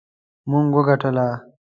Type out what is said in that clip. موږ وګټله